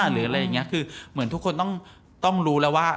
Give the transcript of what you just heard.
ก็เชื่อแบบที่ทุกคนต้องรู้แล้วว่า